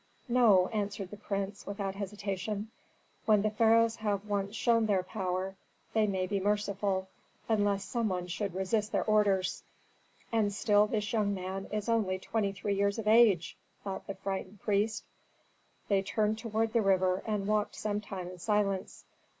"No," answered the prince, without hesitation. "When the pharaohs have once shown their power, they may be merciful; unless some one should resist their orders." "And still this young man is only twenty three years of age!" thought the frightened priest. They turned toward the river and walked some time in silence.